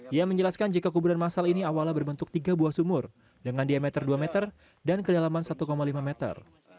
ia menjelaskan jika kuburan masal ini awalnya berbentuk tiga buah sumur dengan diameter dua meter dan kedalaman satu lima meter